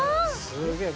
すげえ。